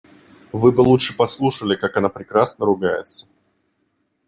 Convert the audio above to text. Вы бы лучше послушали, как она прекрасно ругается.